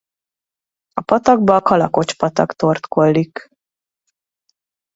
A patakba a Kalakocs-patak torkollik.